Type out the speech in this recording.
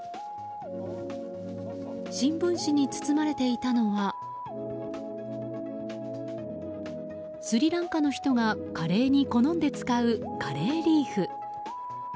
新聞紙に包まれていたのはスリランカの人がカレーに好んで使うカレーリーフ。